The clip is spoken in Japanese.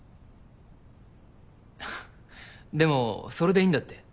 ははっでもそれでいいんだって。